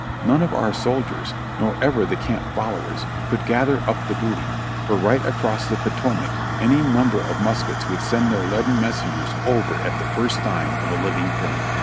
None of our soldiers, nor ever the camp followers, could gather up the booty, for right across the Potomac any num ber of muskets would send their leaden messengers over at the first sign of a living thing.